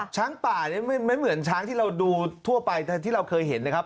ช้างป่านี่ไม่เหมือนช้างที่เราดูทั่วไปที่เราเคยเห็นนะครับ